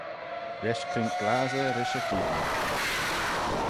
Lesh crink glassey rish y cheayn.